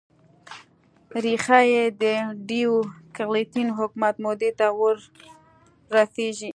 ریښه یې د ډیوکلتین حکومت مودې ته ور رسېږي